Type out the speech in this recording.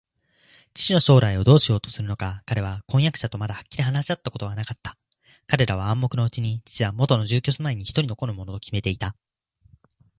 父の将来をどうしようとするのか、彼は婚約者とまだはっきり話し合ったことはなかった。彼らは暗黙のうちに、父はもとの住居すまいにひとり残るものときめていた